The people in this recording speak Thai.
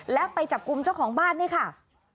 แล้วไปจับกลุ่มเจ้าของบ้านนี่ค่ะ